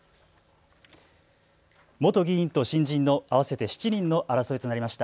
元議員と新人の合わせて７人の争いとなります。